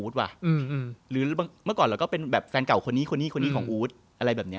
ทำแบบนี้กับคนอื่น